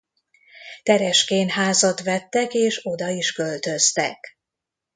Tereskén házat vettek és oda is költöztek.